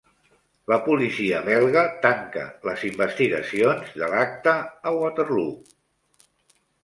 La policia belga tanca les investigacions de l'acte a Waterloo